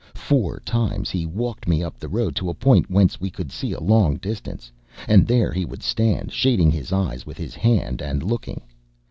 Four times he walked me up the road to a point whence we could see a long distance; and there he would stand, shading his eyes with his hand, and looking.